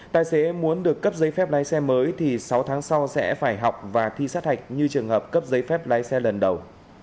tài xế muốn được cấp giấy phép lái xe mới thì sáu tháng sau sẽ phải học và thi sát hạch như trường hợp cấp giấy phép lái xe lần đầu